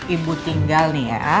ibu tinggal nih ya